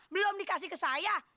belum dikasih ke saya